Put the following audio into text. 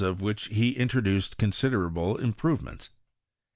of which he introduced considerable improvementa.